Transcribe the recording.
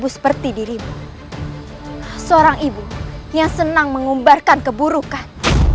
seperti dirimu seorang ibu yang senang mengumbarkan keburukan